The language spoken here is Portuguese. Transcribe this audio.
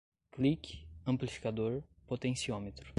clique, amplificador, potenciômetro